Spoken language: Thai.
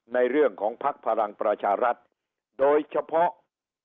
ในเรื่องของภักดิ์พลังประชารัฐโดยเฉพาะ